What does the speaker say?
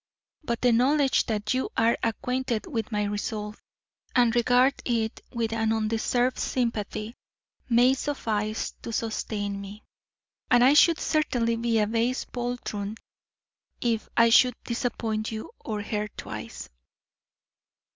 But the knowledge that you are acquainted with my resolve, and regard it with an undeserved sympathy, may suffice to sustain me, and I should certainly be a base poltroon if I should disappoint you or her twice."